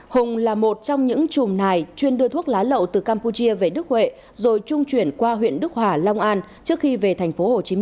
hùng là một trong những chùm nài chuyên đưa thuốc lá lậu từ campuchia về đức huệ rồi trung chuyển qua huyện đức hỏa long an trước khi về tp hcm